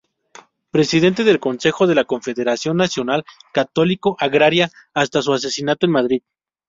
Presidente del Consejo de la Confederación Nacional Católico-Agraria hasta su asesinato en Madrid.